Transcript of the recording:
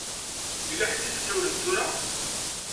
Yella ḥedd i d-isawlen tura.